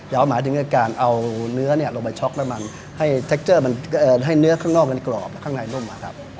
ยาวหมายถึงการเอาเนื้อเนี่ยลงไปช็อกน้ำมันให้เนื้อข้างนอกกันกรอบแล้วข้างในนุ่มมาครับ